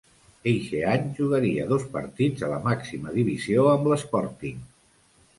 Eixe any jugaria dos partits a la màxima divisió amb l'Sporting.